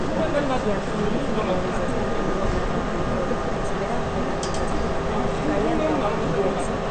Kiam iu lingvo uzas difinitan artikolon, Esperanto ne uzas ĝin, kaj ankaŭ inverse.